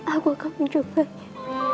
aku akan mencobanya